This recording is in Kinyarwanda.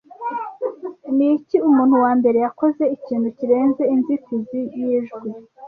Niki umuntu wambere yakoze ikintu kirenze inzitizi yijwi